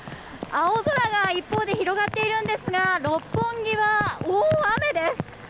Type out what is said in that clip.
青空が一方で広がっているんですが六本木は大雨です。